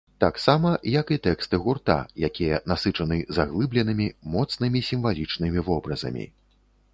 Таксама, як і тэксты гурта, якія насычаны заглыбленымі, моцнымі сімвалічнымі вобразамі.